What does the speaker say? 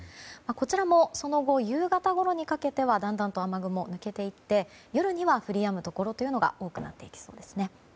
こちらもその後夕方ごろにかけてはだんだんと雨雲、抜けていって夜には降りやむところが多くなっていきそうですね。